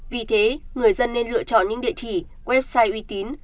vì thế người dân nên lựa chọn những địa chỉ website uy tín